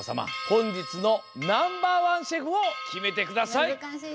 ほんじつのナンバーワンシェフをきめてください。